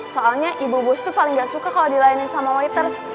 soalnya ibu bos tuh paling gak suka kalo dilayanin sama waiters